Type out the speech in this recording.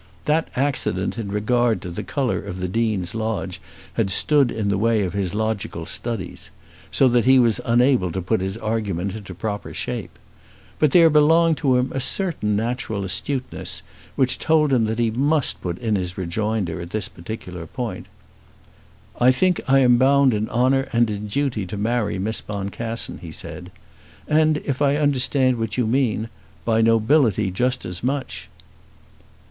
That accident in regard to the colour of the Dean's lodge had stood in the way of his logical studies, so that he was unable to put his argument into proper shape; but there belonged to him a certain natural astuteness which told him that he must put in his rejoinder at this particular point. "I think I am bound in honour and in duty to marry Miss Boncassen," he said. "And, if I understand what you mean, by nobility just as much."